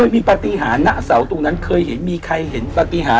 มีปฏิหารี่นรระศาวศ์ตู่นั้นเคยมีใครเห็นน่ะ